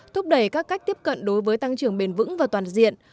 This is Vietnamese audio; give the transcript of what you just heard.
thúc đẩy các cách tiếp cận đối với tăng trưởng bền vững và toàn diện